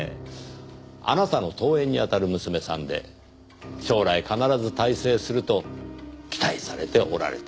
あなたの遠縁にあたる娘さんで将来必ず大成すると期待されておられた。